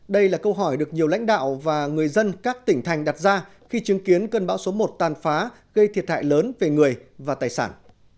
đây là câu hỏi được nhiều lãnh đạo và người dân các tỉnh thành đặt ra khi chứng kiến cơn bão số một tàn phá gây thiệt hại lớn về người và tài sản